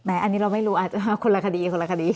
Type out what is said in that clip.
แหมอันนี้เราไม่รู้คนละคดีคนละคดี